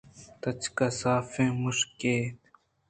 تچک ءُ صافیں کشکے اَت